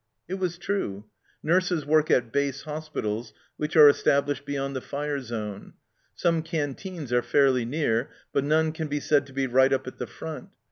It was true. Nurses work at base hospitals which are established beyond the fire zone ; some canteens are fairly near, but none can be said to be right up at the front.